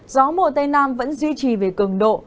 gió mùa tây nam vẫn duy trì về cường độ